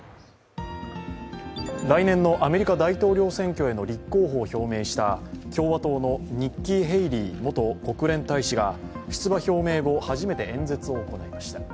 来年のアメリカ大統領選挙への立候補を表明した共和党のニッキー・ヘイリー元国連大使が出馬表明後、初めて演説を行いました。